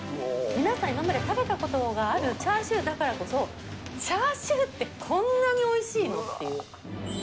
皆さん、今まで食べたことがあるチャーシューだからこそ、チャーシューってこんなにおいしいの？っていう。